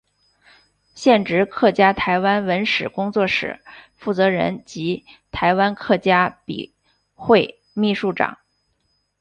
现职客家台湾文史工作室负责人及台湾客家笔会秘书长。